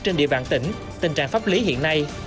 trên địa bàn tỉnh tình trạng pháp lý hiện nay